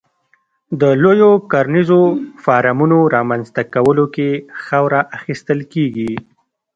د لویو کرنیزو فارمونو رامنځته کولو کې خاوره اخیستل کېږي.